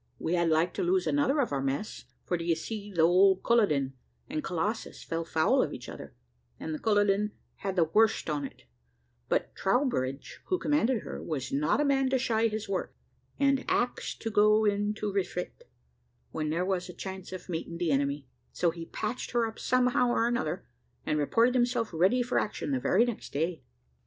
We had like to lose another of our mess, for d'ye see, the old Culloden and Colossus fell foul of each other, and the Culloden had the worst on it, but Troubridge, who commanded her, was not a man to shy his work, and ax to go in to refit, when there was a chance of meeting the enemy so he patched her up somehow or another, and reported himself ready for action the very next day.